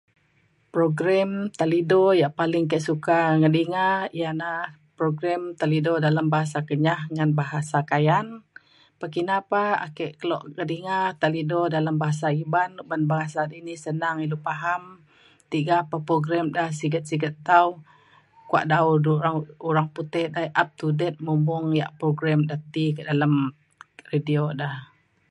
program talidio ya' paling ke suka ngering ya na program talidio dalem bahasa kenyah ngan bahasa kayan pekina pe ake keluk ngeringa talidio dalem bahasa iban ban bahasa ini senang ilu paham tiga pe program da siget siget tau kuak dau du urang putih up to date mung mung ya' program da ti ke dalem um radio da